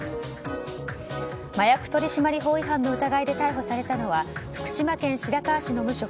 麻薬取締法違反の疑いで逮捕されたのは福島県白河市の無職・